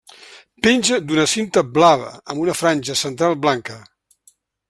Penja d'una cinta blava, amb una franja central blanca.